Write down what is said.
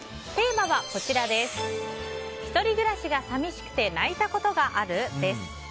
テーマは１人暮らしがさみしくて泣いたことがある？です。